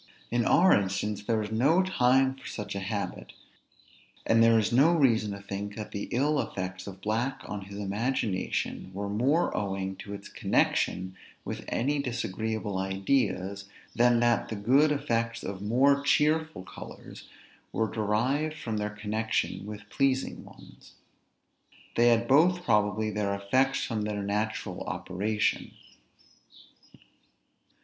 In our instance, there was no time for such a habit; and there is no reason to think that the ill effects of black on his imagination were more owing to its connection with any disagreeable ideas, than that the good effects of more cheerful colors were derived from their connection with pleasing ones. They had both probably their effects from their natural operation.